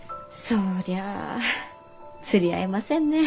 そりゃあ釣り合いませんねえ。